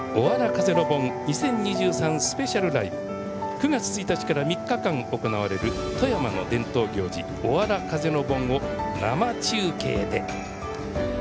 ９月１日から３日間行われる富山の伝統行事、おわら風の盆を生中継で。